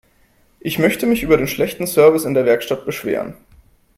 Ich möchte mich über den schlechten Service in der Werkstatt beschweren.